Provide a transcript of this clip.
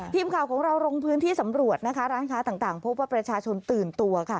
พิมพ์ข่าวของเราโรงพื้นที่สำรวจร้านค้าต่างพวกประชาชนตื่นตัว